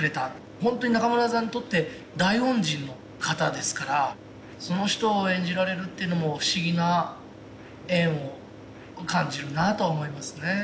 本当に中村座にとって大恩人の方ですから、その人を演じられるっているのも不思議な縁を感じるなと思いますね。